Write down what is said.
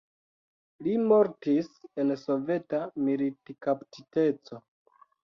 Li mortis en soveta militkaptiteco.